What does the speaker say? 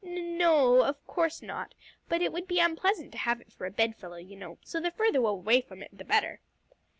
"N no, of course not, but it would be unpleasant to have it for a bedfellow, you know; so, the further away from it the better."